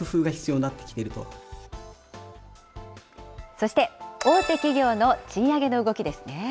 そして大手企業の賃上げの動きですね。